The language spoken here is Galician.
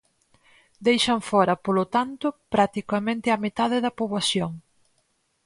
Deixan fóra, polo tanto, practicamente á metade da poboación.